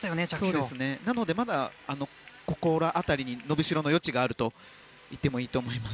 まだここに伸びしろの余地があるといっていいと思います。